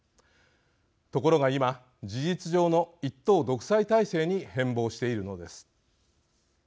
ところが、今事実上の一党独裁体制に変貌しているのです。